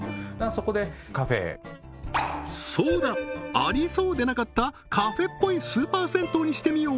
ありそうでなかったカフェっぽいスーパー銭湯にしてみよう！